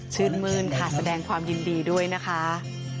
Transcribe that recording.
ชื่นมืนขาดแสดงความยินดีด้วยนะคะ